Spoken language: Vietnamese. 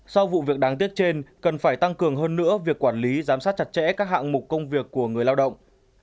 sau vụ việc đáng tiếc trên cần phải tăng cường hơn nữa việc quản lý giám sát chặt chẽ các hạng mục công việc của người lao động